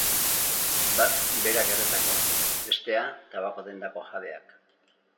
Bat berak erretakoa, bestea tabako-dendako jabeak.